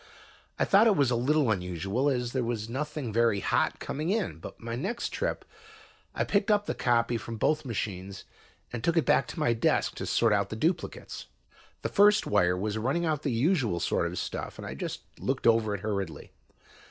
I thought it was a little unusual, as there was nothing very "hot" coming in. On my next trip I picked up the copy from both machines and took it back to my desk to sort out the duplicates. The first wire was running out the usual sort of stuff and I just looked over it hurriedly.